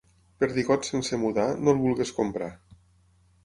Perdigot sense mudar, no el vulguis comprar.